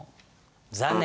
残念。